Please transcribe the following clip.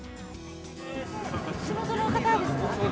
地元の方ですか？